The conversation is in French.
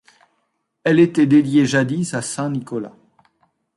Elle était dédiée jadis à saint Nicolas.